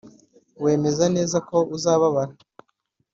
wemeze neza ko uzababara.